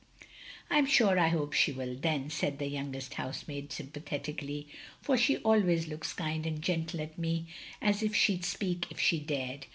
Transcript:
" "I'm sure I hope she will then," said the youngest housemaid sympathetically, "for she always looks kind and gentle at me as if she 'd speak if she dared.